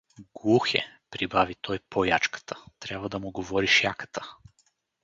— Глух е — прибави той по-ячката, — трябва да му говориш яката.